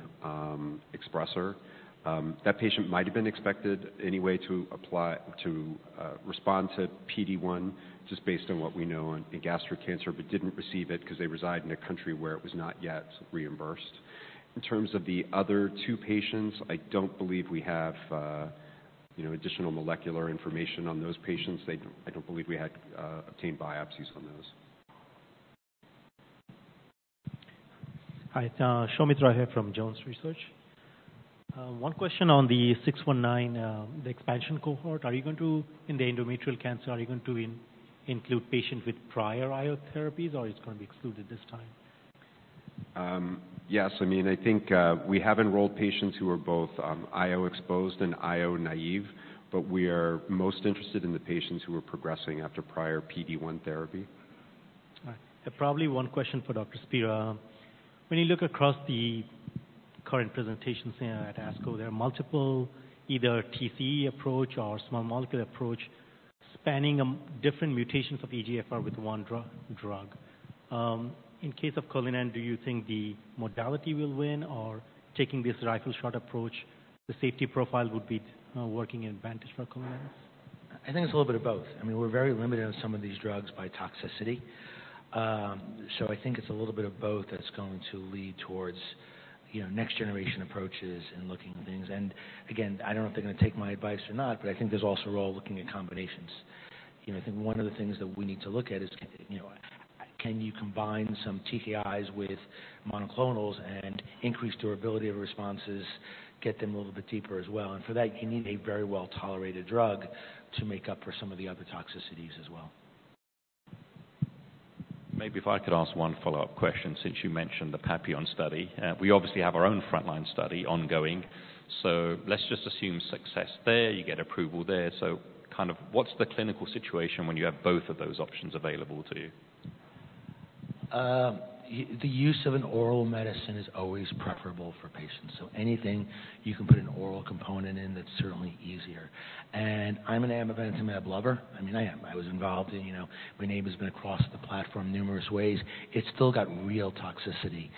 expresser. That patient might have been expected anyway to respond to PD-1, just based on what we know on gastric cancer, but didn't receive it because they reside in a country where it was not yet reimbursed. In terms of the other two patients, I don't believe we have, you know, additional molecular information on those patients. I don't believe we had obtained biopsies from those. Hi, Soumit Roy here from Jones Research. One question on the 619, the expansion cohort. Are you going to, in the endometrial cancer, are you going to include patients with prior IO therapies, or it's going to be excluded this time? Yes. I mean, I think, we have enrolled patients who are both, IO exposed and IO naive, but we are most interested in the patients who are progressing after prior PD-1 therapy. All right. Probably one question for Dr. Spira. When you look across the current presentations at ASCO, there are multiple, either TCE approach or small molecule approach, spanning different mutations of EGFR with one drug, drug. In case of Cullinan, do you think the modality will win or taking this rifle shot approach, the safety profile would be working in advantage for Cullinan? I think it's a little bit of both. I mean, we're very limited on some of these drugs by toxicity. So I think it's a little bit of both that's going to lead towards, you know, next generation approaches and looking at things. And again, I don't know if they're gonna take my advice or not, but I think there's also a role looking at combinations. You know, I think one of the things that we need to look at is, you know, can you combine some TKIs with monoclonals and increase durability of responses, get them a little bit deeper as well? And for that, you need a very well-tolerated drug to make up for some of the other toxicities as well. Maybe if I could ask one follow-up question, since you mentioned the PAPILLON study. We obviously have our own frontline study ongoing, so let's just assume success there, you get approval there. So kind of what's the clinical situation when you have both of those options available to you? The use of an oral medicine is always preferable for patients. So anything you can put an oral component in, that's certainly easier. And I'm an amivantamab lover. I mean, I am. I was involved in, you know... my name has been across the platform numerous ways. It's still got real toxicity.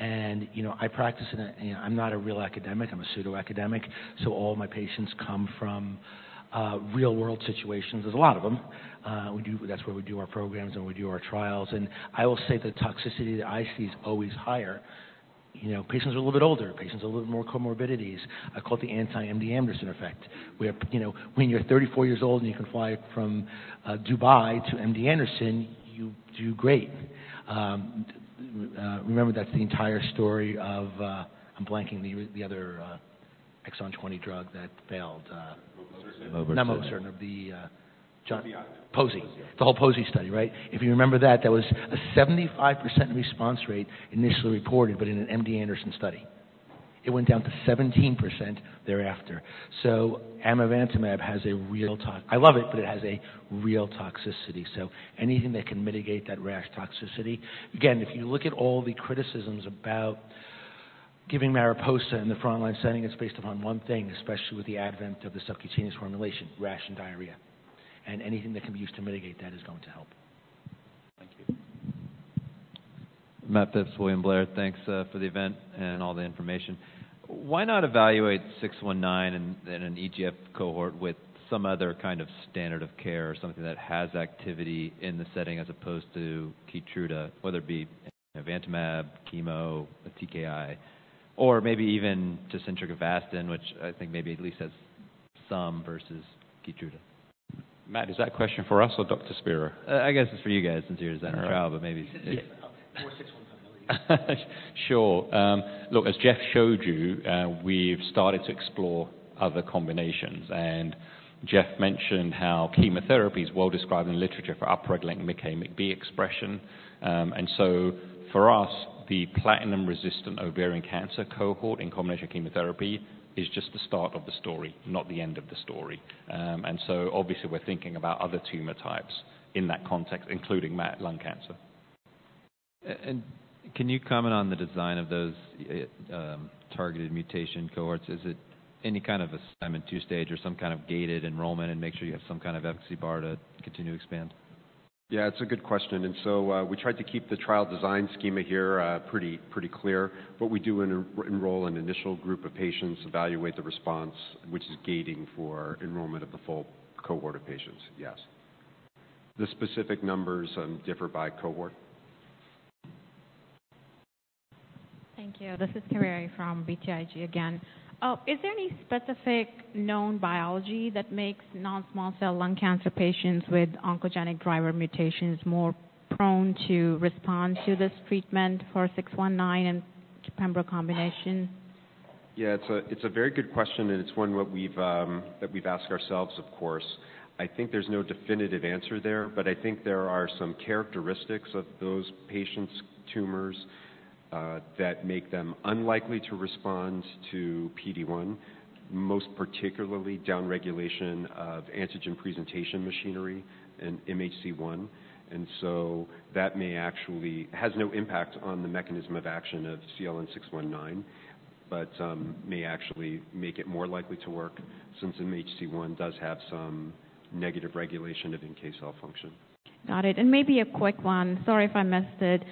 And, you know, I practice in a, you know, I'm not a real academic, I'm a pseudo-academic, so all my patients come from, real-world situations. There's a lot of them. That's where we do our programs and we do our trials. And I will say the toxicity that I see is always higher. You know, patients are a little bit older, patients a little more comorbidities. I call it the anti-MD Anderson effect, where, you know, when you're 34 years old and you can fly from Dubai to MD Anderson, you do great. Remember, that's the entire story of, I'm blanking the other exon 20 drug that failed. Obinutuzumab. Not Obinutuzumab, the- poziotinib. poziotinib. The whole poziotinib study, right? If you remember that, there was a 75% response rate initially reported, but in an MD Anderson study. It went down to 17% thereafter. So amivantamab has a real tox-- I love it, but it has a real toxicity. So anything that can mitigate that rash toxicity. Again, if you look at all the criticisms about giving MARIPOSA in the frontline setting, it's based upon one thing, especially with the advent of the subcutaneous formulation, rash and diarrhea. And anything that can be used to mitigate that is going to help. Thank you. Matt Phipps, William Blair. Thanks for the event and all the information. Why not evaluate CLN-619 in an EGFR cohort with some other kind of standard of care or something that has activity in the setting as opposed to Keytruda, whether it be nivolumab, chemo, a TKI, or maybe even docetaxel/ram, which I think maybe at least has some versus Keytruda? Matt, is that a question for us or Dr. Spira? I guess it's for you guys, since you're in that trial, but maybe- Sure. Look, as Jeff showed you, we've started to explore other combinations, and Jeff mentioned how chemotherapy is well described in the literature for up-regulating MICA/MICB expression. And so for us, the platinum-resistant ovarian cancer cohort in combination chemotherapy is just the start of the story, not the end of the story. And so obviously, we're thinking about other tumor types in that context, including lung cancer. And can you comment on the design of those targeted mutation cohorts? Is it any kind of a Simon two-stage or some kind of gated enrollment, and make sure you have some kind of efficacy bar to continue to expand? Yeah, it's a good question. And so, we tried to keep the trial design schema here, pretty, pretty clear. But we do enroll an initial group of patients, evaluate the response, which is gating for enrollment of the full cohort of patients. Yes. The specific numbers differ by cohort. Thank you. This is Kaveri from BTIG again. Is there any specific known biology that makes non-small cell lung cancer patients with oncogenic driver mutations more prone to respond to this treatment for CLN-619 and pembro combination? Yeah, it's a very good question, and it's one that we've asked ourselves, of course. I think there's no definitive answer there, but I think there are some characteristics of those patients' tumors that make them unlikely to respond to PD-1, most particularly downregulation of antigen presentation machinery and MHC-1. And so that may actually has no impact on the mechanism of action of CLN-619, but may actually make it more likely to work since MHC-1 does have some negative regulation of NK cell function. Got it, and maybe a quick one. Sorry if I missed it.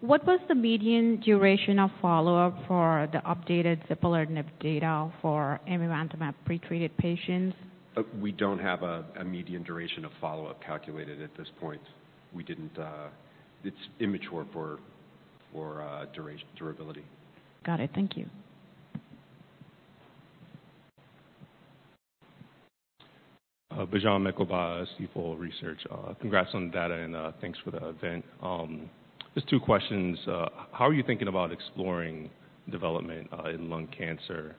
What was the median duration of follow-up for the updated zipalertinib data for amivantamab pretreated patients? We don't have a median duration of follow-up calculated at this point. It's immature for durability. Got it. Thank you. ... Bijan Mekoba, CFOL Research. Congrats on the data, and thanks for the event. Just two questions. How are you thinking about exploring development in lung cancer?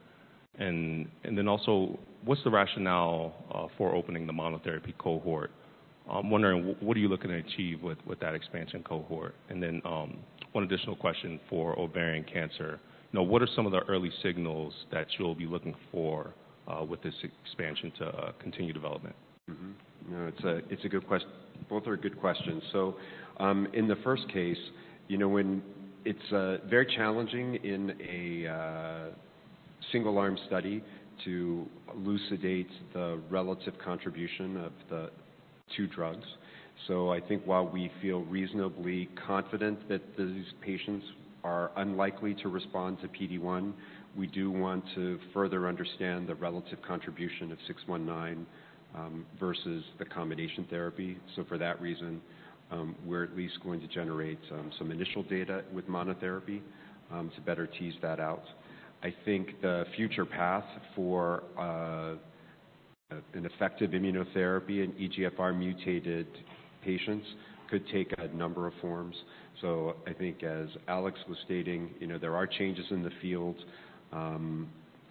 And then also, what's the rationale for opening the monotherapy cohort? I'm wondering, what are you looking to achieve with that expansion cohort? And then, one additional question for ovarian cancer. Now, what are some of the early signals that you'll be looking for with this expansion to continue development? Mm-hmm. No, it's a good question—both are good questions. So, in the first case, you know, when it's very challenging in a single-arm study to elucidate the relative contribution of the two drugs. So I think while we feel reasonably confident that these patients are unlikely to respond to PD-1, we do want to further understand the relative contribution of 619 versus the combination therapy. So for that reason, we're at least going to generate some initial data with monotherapy to better tease that out. I think the future path for an effective immunotherapy in EGFR mutated patients could take a number of forms. So I think as Alex was stating, you know, there are changes in the field.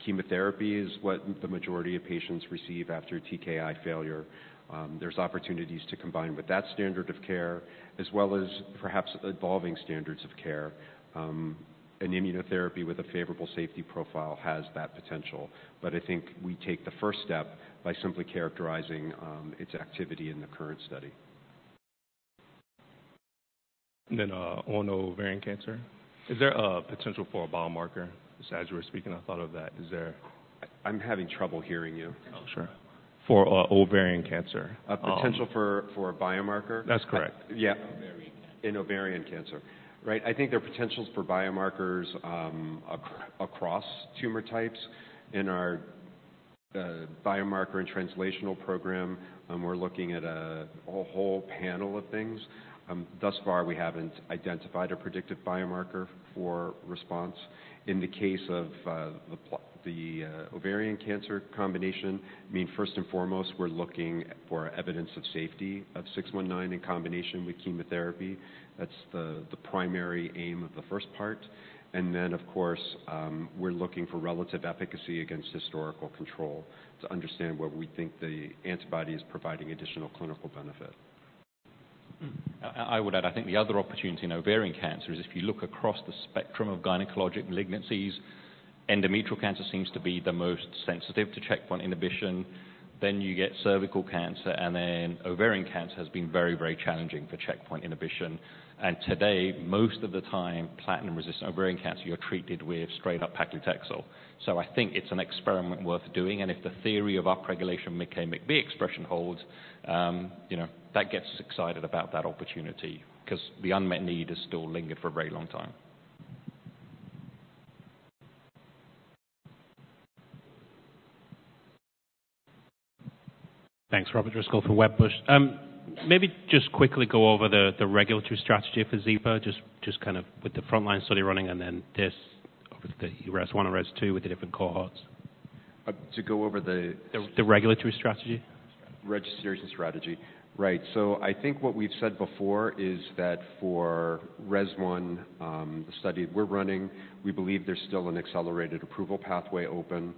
Chemotherapy is what the majority of patients receive after TKI failure. There's opportunities to combine with that standard of care, as well as perhaps evolving standards of care. An immunotherapy with a favorable safety profile has that potential, but I think we take the first step by simply characterizing its activity in the current study. And then, on ovarian cancer, is there a potential for a biomarker? Just as you were speaking, I thought of that. Is there- I'm having trouble hearing you. Oh, sure. For ovarian cancer, A potential for a biomarker? That's correct. Yeah. Ovarian cancer. In ovarian cancer, right. I think there are potentials for biomarkers across tumor types. In our biomarker and translational program, we're looking at a whole panel of things. Thus far, we haven't identified a predicted biomarker for response. In the case of the ovarian cancer combination, I mean, first and foremost, we're looking for evidence of safety of 619 in combination with chemotherapy. That's the primary aim of the first part, and then, of course, we're looking for relative efficacy against historical control to understand where we think the antibody is providing additional clinical benefit. Mm-hmm. I, I would add, I think the other opportunity in ovarian cancer is if you look across the spectrum of gynecologic malignancies, endometrial cancer seems to be the most sensitive to checkpoint inhibition. Then you get cervical cancer, and then ovarian cancer has been very, very challenging for checkpoint inhibition. And today, most of the time, platinum-resistant ovarian cancer, you're treated with straight-up paclitaxel. So I think it's an experiment worth doing, and if the theory of upregulation MICA, MICB expression holds, you know, that gets us excited about that opportunity because the unmet need has still lingered for a very long time. Thanks. Robert Driscoll from Wedbush. Maybe just quickly go over the regulatory strategy for zipalertinib, just kind of with the frontline study running and then this, over the REZILIENT-1 or REZILIENT-2 with the different cohorts. To go over the- The regulatory strategy. Registration strategy. Right. So I think what we've said before is that for REZILIENT-1, the study we're running, we believe there's still an accelerated approval pathway open.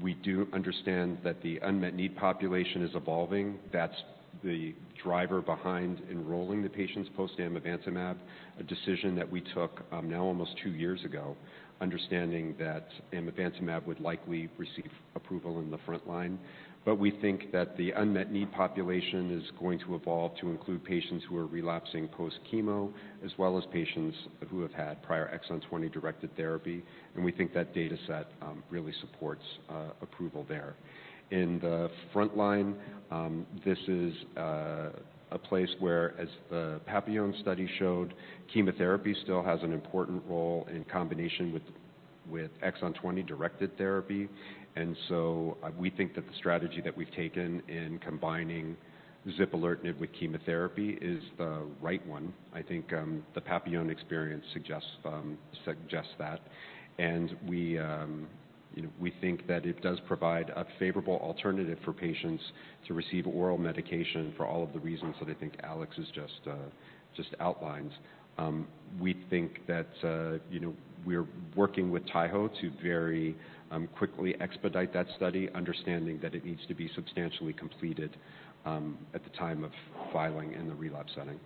We do understand that the unmet need population is evolving. That's the driver behind enrolling the patients post amivantamab, a decision that we took, now almost 2 years ago, understanding that amivantamab would likely receive approval in the frontline. But we think that the unmet need population is going to evolve to include patients who are relapsing post chemo, as well as patients who have had prior exon 20 directed therapy, and we think that data set really supports approval there. In the frontline, this is a place where, as the PAPILLON study showed, chemotherapy still has an important role in combination with exon 20 directed therapy. We think that the strategy that we've taken in combining zipalertinib with chemotherapy is the right one. I think the PAPILLON experience suggests that. We you know, we think that it does provide a favorable alternative for patients to receive oral medication for all of the reasons that I think Alex has just outlined. We think that you know, we're working with Taiho to very quickly expedite that study, understanding that it needs to be substantially completed at the time of filing in the relapse setting.